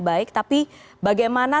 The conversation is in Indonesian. baik tapi bagaimana